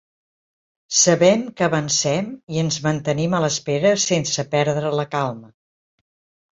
Sabem que avancem i ens mantenim a l’espera sense perdre la calma.